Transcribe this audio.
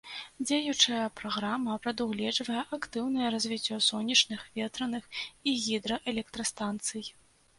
Дзеючая праграма прадугледжвае актыўнае развіццё сонечных, ветраных і гідраэлектрастанцый.